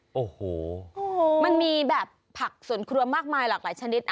โอ้โฮโอ้โฮมันมีแบบผักศูนย์ครัวมากมายหลากหลายชนิด